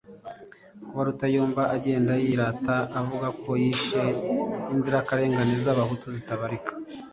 Kuba Rutayomba agenda yirata avuga ko yishye inzirakarengane z'Abahutu zitabarika